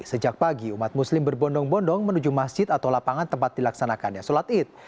sejak pagi umat muslim berbondong bondong menuju masjid atau lapangan tempat dilaksanakannya sholat id